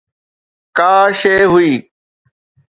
ڪا شيءِ هئي.